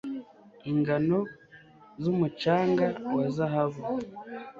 Ingano zumucanga wa zahabu